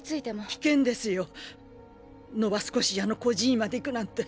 危険ですよノバスコシアの孤児院まで行くなんて。